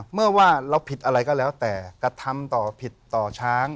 เมื่อว่าเราผิดอะไรก็แล้วแต่กระทำต่อผิดต่อช้าง